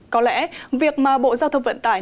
có lẽ việc mà bộ giao thông vận tải